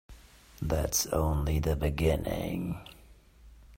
That's only the beginning.